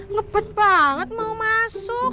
ngepet banget mau masuk